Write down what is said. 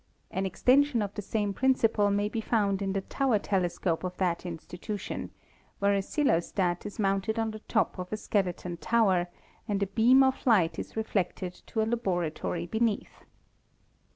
An extension of the same principle may be found in the tower telescope of that institution, where a ccelostat is mounted on the top of a skeleton tower and a beam of light is re flected to a laboratory beneath.